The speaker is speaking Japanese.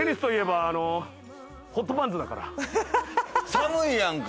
寒いやんか。